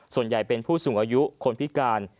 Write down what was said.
ส่วนใหญ่เป็นผู้สูงอายุคนพิการ